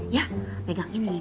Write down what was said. ya pegang ini